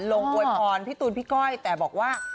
โวยพรพี่ตูนพี่ก้อยแต่บอกว่า